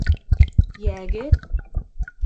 Йәгеҙ!